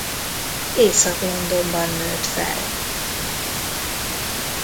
Észak-Londonban nőtt fel.